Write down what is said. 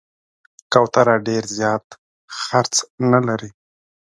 کوتره ډېر زیات خرڅ نه لري.